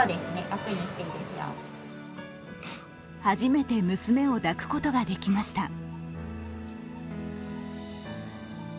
初めて娘を抱くことができました。